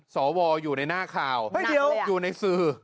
สวอยู่ในหน้าค่าวอยู่ในสื่อเฮ้ยเดี๋ยว